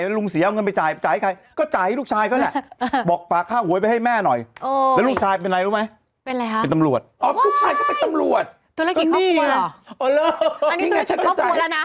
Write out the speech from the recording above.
ตัวละกิจครอบครัวเหรออันนี้ตัวละกิจครอบครัวแล้วนะ